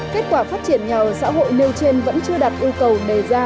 kết quả phát triển nhà ở xã hội nêu trên vẫn chưa đạt yêu cầu đề ra